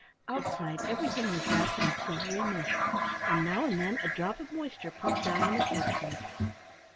Outside everything was wrapped in a silvery mist, and now and then a drop of moisture plumped down on the porch roof.